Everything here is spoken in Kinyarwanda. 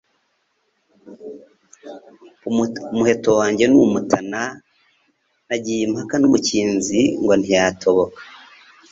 Umuheto wanjye n'umutana, nagiye impaka n'umukinzi ngo ntiyatoboka